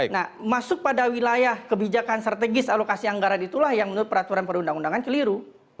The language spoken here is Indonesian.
nah masuk pada wilayah kebijakan strategis alokasi anggaran itulah yang menurut peraturan perundang undangan keliru